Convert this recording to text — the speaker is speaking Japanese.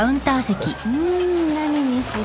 うん何にする？